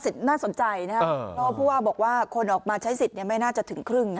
น่าสนใจนะครับเพราะว่าผู้ว่าบอกว่าคนออกมาใช้สิทธิ์ไม่น่าจะถึงครึ่ง